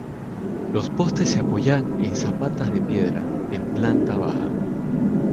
Los postes se apoyan en zapatas de piedra, en planta baja.